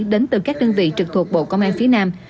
đến từ các đơn vị trực thuộc bộ công an phía nam